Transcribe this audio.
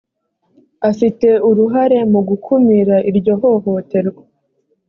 afite uruhare mu gukumira iryo hohoterwa .